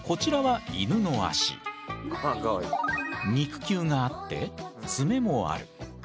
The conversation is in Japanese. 肉球があって爪もある。